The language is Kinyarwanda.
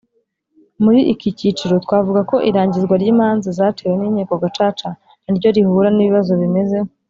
Muri iki cyiciro twavuga ko irangizwa ry imanza zaciwe n Inkiko Gacaca na ryo rihura n ibibazo bimeze